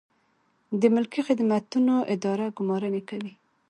د ملکي خدمتونو اداره ګمارنې کوي